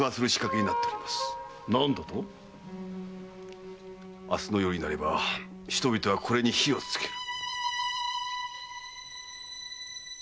何だと⁉明日の夜になれば人々はこれに灯を付ける。